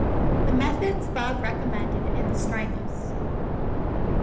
The methods above recommended in the strangles.